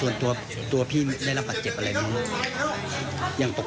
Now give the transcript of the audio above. ยังปกใจอยู่ใช่ไหมครับ